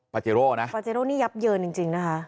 ปาเจโรนะปาเจโรนี่ยับเยอะจริงจริงนะคะ